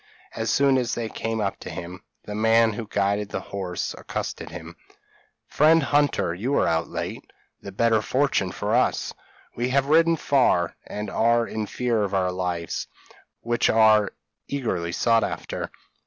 As soon as they came up to him, the man who guided the horse accosted him. 'Friend Hunter, you are out late, the better fortune for us; we have ridden far, and are in fear of our lives which are eagerly sought after.